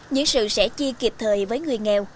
những sự sẽ chia kịp thời với người nghèo